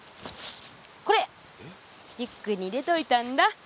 これリュックに入れといたんだ。